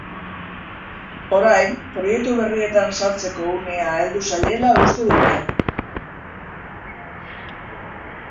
Orain, proiektu berrietan sartzeko unea heldu zaiela uste dute.